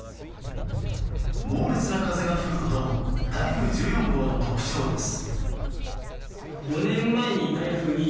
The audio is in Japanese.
猛烈な風が吹くことも台風１４号の特徴です。